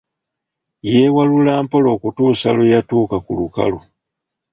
Yeewalula mpola okutuusa lwe yatuuka ku lukalu.